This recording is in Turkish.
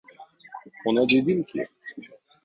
Ona dedim ki…